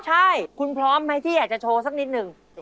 ใช่คุณพร้อมไหมที่อยากจะโชว์สักนิดนึง